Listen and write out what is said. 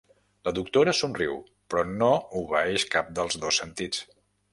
La doctora somriu, però no obeeix cap dels dos sentits.